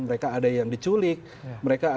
mereka ada yang diculik